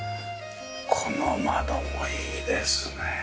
この窓もいいですね。